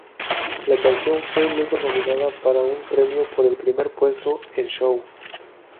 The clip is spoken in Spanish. La canción fue luego nominada para un premio por el primer puesto en "Show!